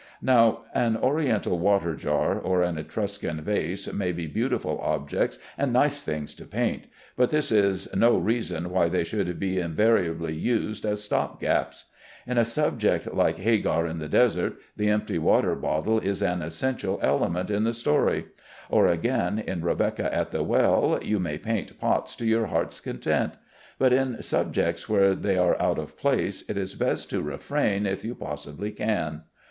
Now, an Oriental water jar or an Etruscan vase may be beautiful objects and nice things to paint, but this is no reason why they should be invariably used as stop gaps. In a subject like Hagar in the desert, the empty water bottle is an essential element in the story; or again, in Rebecca at the well, you may paint pots to your heart's content, but in subjects where they are out of place it is best to refrain if you possibly can.